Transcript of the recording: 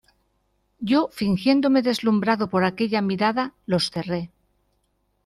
yo fingiéndome deslumbrado por aquella mirada, los cerré.